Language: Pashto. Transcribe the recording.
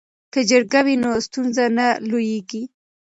که جرګه وي نو ستونزه نه لویږي.